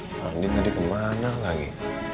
pandit tadi kemana lagi